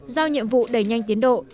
giao nhiệm vụ đẩy nhanh tiến độ